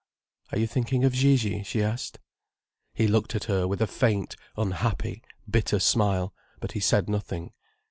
"Are you thinking of Gigi?" she said. He looked at her, with a faint, unhappy, bitter smile, but he said nothing.